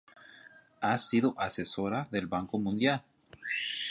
Ha sido asesora del Banco Mundial.